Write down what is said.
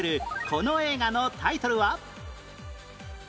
この映画のタイトルは？